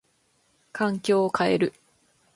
環境を変える。